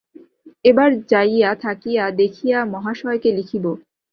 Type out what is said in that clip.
এবার যাইয়া থাকিয়া দেখিয়া মহাশয়কে লিখিব।